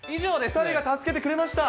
２人が助けてくれました。